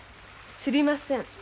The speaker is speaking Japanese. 知りません。